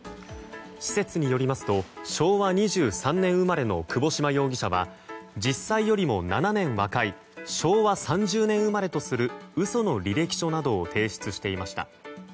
施設によりますと昭和２３年生まれの窪島容疑者は実際よりも７年若い昭和３０年生まれとする嘘の履歴書などを提出していました。